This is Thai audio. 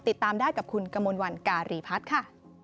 ติดตามได้กับคุณกมลวันการีพัฒน์ค่ะ